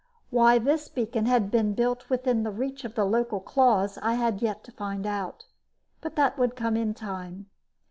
Why this beacon had been built within reach of the local claws, I had yet to find out. But that would come in time.